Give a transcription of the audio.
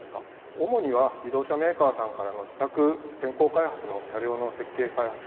主には自動車メーカーさんからの試作先行開発の車両の設計開発。